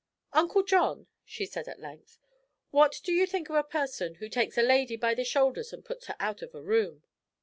"Uncle John," she said at length, "what do you think of a person who takes a lady by the shoulders and puts her out of a room?"